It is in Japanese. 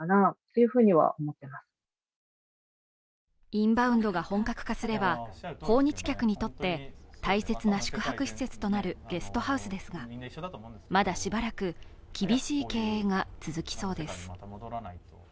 インバウンドが本格化すれば、訪日客にとって大切な宿泊施設となるゲストハウスですが、まだしばらく厳しい経営が続きそうです。